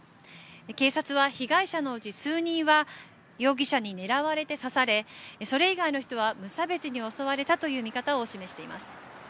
警察は被害者のうち数人は容疑者に狙われて刺されそれ以外の人は無差別に襲われたという見方を示しています。